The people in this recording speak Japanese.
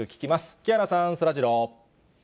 木原さん、そらジロー。